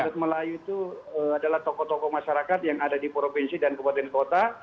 dan juga itu adalah tokoh tokoh masyarakat yang ada di provinsi dan kabupaten kota